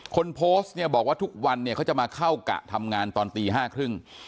คนโพสต์เนี่ยบอกว่าทุกวันเนี่ยเขาจะมาเข้ากะทำงานตอนตีห้าครึ่ง